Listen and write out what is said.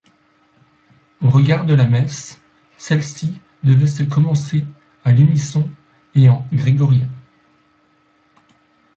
Au regard de la messe, celle-ci devait se commencer à l'unisson et en grégorien.